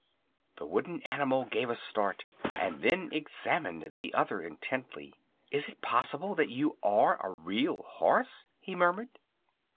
The wooden animal gave a start, and then examined the other intently. "Is it possible that you are a Real Horse?" he murmured.